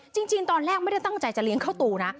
จริงตอนแรกไม่ได้ตั้งใจจะเลี้ยงข้าวตูนะ